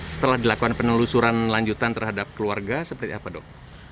setelah dilakukan penelusuran lanjutan terhadap keluarga seperti apa dok